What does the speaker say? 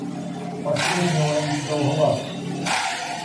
В последнего из-за угла!